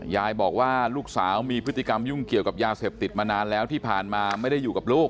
ยายบอกว่าลูกสาวมีพฤติกรรมยุ่งเกี่ยวกับยาเสพติดมานานแล้วที่ผ่านมาไม่ได้อยู่กับลูก